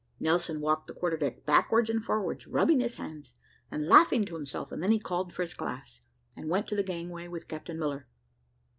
Nelson walked the quarterdeck backwards and forwards, rubbing his hands, and laughing to himself, and then he called for his glass, and went to the gangway with Captain Miller.